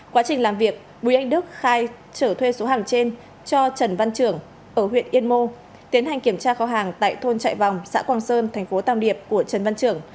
qua trình làm việc bùi anh đức khai trở thuê số hàng trên cho trần văn trưởng ở huyện yên mô tiến hành kiểm tra kho hàng tại thuôn trại vòng xã quang sơn tp tàm điệp của trần văn trưởng